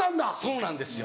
そうなんですよ。